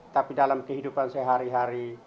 tapi dalam kehidupan sehari hari